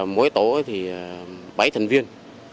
mỗi tổ thì bảy thành viên